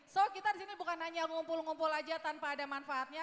so kita di sini bukan hanya ngumpul ngumpul aja tanpa ada manfaatnya